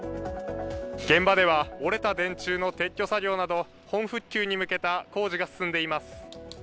現場では折れた電柱の撤去作業など完全復旧に向けた工事が進んでいます。